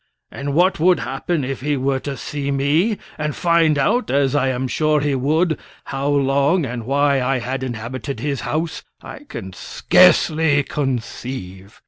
And what would happen if he were to see me, and find out, as I am sure he would, how long and why I had inhabited his house, I can scarcely conceive.